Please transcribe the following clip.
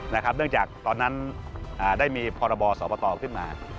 นะครับเนื่องจากตอนนั้นได้มีพรสตขึ้นมา